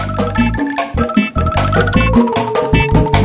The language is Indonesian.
gak ada kukus kukus